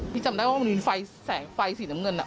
พี่จำได้ว่ามันมีไฟแสงไฟสีดำเงินแว๊บอ่ะ